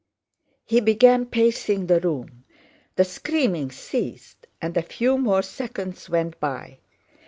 He began pacing the room. The screaming ceased, and a few more seconds went by.